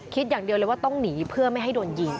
คิดอย่างเดียวเลยว่าต้องหนีเพื่อไม่ให้โดนยิง